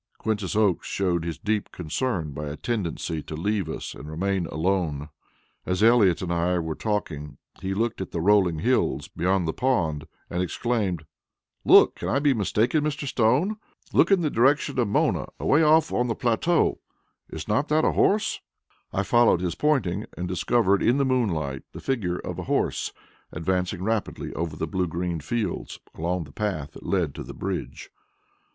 Quintus Oakes showed his deep concern by a tendency to leave us and remain alone. As Elliott and I were talking, he looked at the rolling hills beyond the pond and exclaimed: "Look! Can I be mistaken, Mr. Stone? Look in the direction of Mona away off on the plateau is not that a horse?" I followed his pointing and discovered in the moonlight the figure of a horse advancing rapidly over the blue green fields, along the path that led to the bridge.